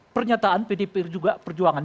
pernyataan pdi perjuangan